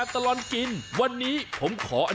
สวัสดีครับคุณพี่สวัสดีครับ